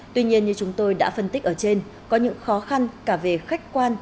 tuy nhiên như chúng tôi đã phân tích ở trên có những khó khăn cả về khách quan